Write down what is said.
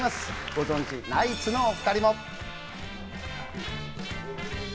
ご存じ、ナイツのお二人も。